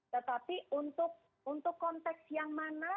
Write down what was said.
tetapi untuk konteks yang mana